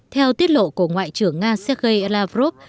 theo tiết lộ của ngoại trưởng nga sergei lavrov